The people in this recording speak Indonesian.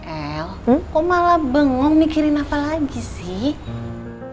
el kok malah bengong mikirin apa lagi sih